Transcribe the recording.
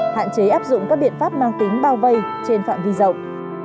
hạn chế áp dụng các biện pháp mang tính bao vây trên phạm vi rộng